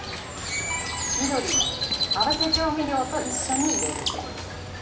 緑・合わせ調味料と一緒に入れる。